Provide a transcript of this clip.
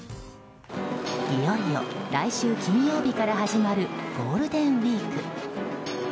いよいよ来週金曜日から始まるゴールデンウィーク。